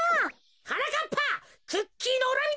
はなかっぱクッキーのうらみだ。